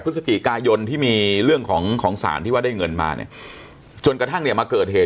พฤศจิกายนที่มีเรื่องของของสารที่ว่าได้เงินมาเนี่ยจนกระทั่งเนี่ยมาเกิดเหตุ